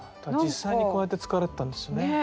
実際にこうやって使われてたんですよね。